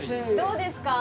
どうですか？